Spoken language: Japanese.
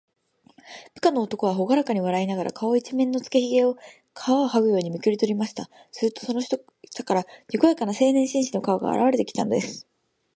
部下の男は、ほがらかに笑いながら、顔いちめんのつけひげを、皮をはぐようにめくりとりました。すると、その下から、にこやかな青年紳士の顔があらわれてきたのです。